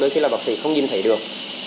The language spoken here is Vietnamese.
đối với bác sĩ không nhìn thấy được